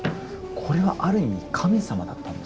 これはある意味神様だったんですかね？